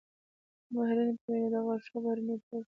د ماهرینو په وینا د غاښونو بهرني پوښ